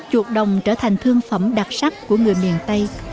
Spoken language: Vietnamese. chuột đồng trở thành thương phẩm đặc sắc của người miền tây